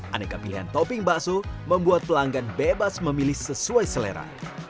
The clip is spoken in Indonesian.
aneka pilihan topping bakso membuat pelanggan bebas memilih sesuai selera